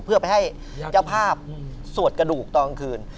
เพื่อไปให้เจ้าภาพสวดกระดูกตอนกลางคืน